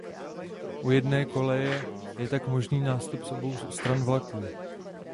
U jedné koleje je tak možný nástup z obou stran vlaku.